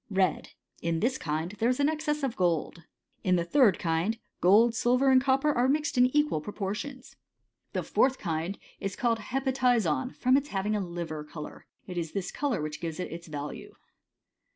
.' 2. Red. In this kind there is an excess of gold^ [^ 3. In the third kind, gold, silver, and copper 90 mixed in equal proportions. CHEMISTRT OF THE AVCIEKT8. 5t 4. The fourth kmd is called kepatizon^ from its having a liver colour. It is this colour which gives it its Talue.